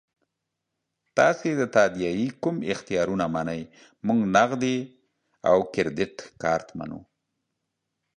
تاسو د تادیې کوم اختیارونه منئ؟ موږ نغدي او کریډیټ کارت منو.